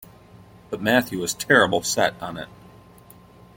But Matthew was terrible set on it.